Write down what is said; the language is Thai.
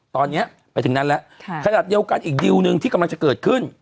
ตอนนี้ไปถึงนั้นแล้วขนาดเดียวกันอีกดิวหนึ่งที่กำลังจะเกิดขึ้น